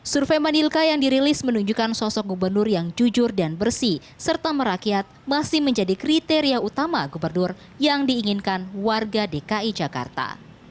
survei manilka yang dirilis menunjukkan sosok gubernur yang jujur dan bersih serta merakyat masih menjadi kriteria utama gubernur yang diinginkan warga dki jakarta